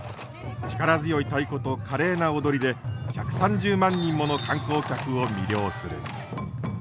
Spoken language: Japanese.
力強い太鼓と華麗な踊りで１３０万人もの観光客を魅了する。